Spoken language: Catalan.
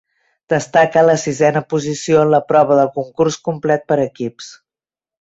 Destaca la sisena posició en la prova del concurs complet per equips.